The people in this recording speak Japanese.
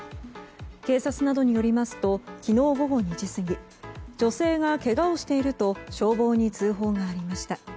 警察などによりますと昨日午後２時過ぎ女性がけがをしていると消防に通報がありました。